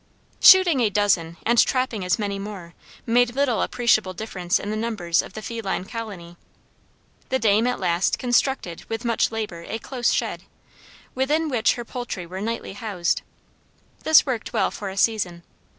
Shooting a dozen and trapping as many more, made little appreciable difference in the numbers of the feline colony. The dame at last constructed with much labor a close shed, within which her poultry were nightly housed. This worked well for a season.